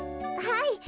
はい。